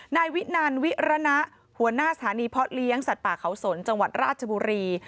นายวินันวิรณะหัวหน้าสถานีเพาะเลี้ยงสัตว์ป่าเขาสนจังหวัดราชบุรี